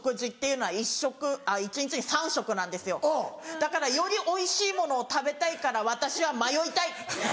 だからよりおいしいものを食べたいから私は迷いたい！